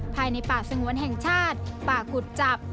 ภายในป่าสงวนแห่งชาติป่าขุดจับ